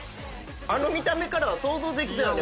あの見た目からは想像できてないね